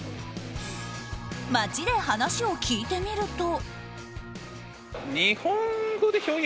街で話を聞いてみると。